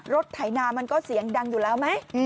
ไถนามันก็เสียงดังอยู่แล้วไหม